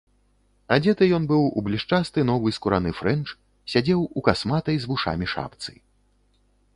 Адзеты ён быў у блішчасты, новы скураны фрэнч, сядзеў у касматай, з вушамі, шапцы.